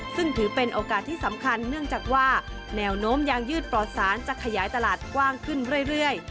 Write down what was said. ซึ่งถือเป็นโอกาสที่สำคัญเนื่องจากว่าแนวโน้มยางยืดปลอดสารจะขยายตลาดกว้างขึ้นเรื่อย